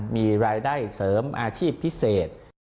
มีรายได้เสริมอาชีพพิเศษ